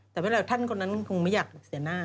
แต่เวลาท่านคนนั้นคงไม่อยากเสียหน้า